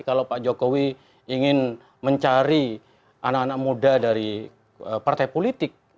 kalau pak jokowi ingin mencari anak anak muda dari partai politik